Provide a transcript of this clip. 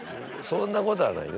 そんなことはないよ。